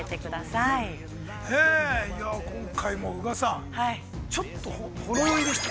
◆いや、今回も宇賀さん。ちょっとほろ酔いでしたね。